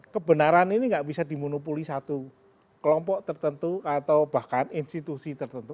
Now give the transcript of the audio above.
kebenaran ini nggak bisa dimonopoli satu kelompok tertentu atau bahkan institusi tertentu